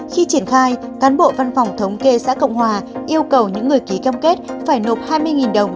khi triển khai cán bộ văn phòng thống kê xã cộng hòa yêu cầu những người ký cam kết phải nộp hai mươi đồng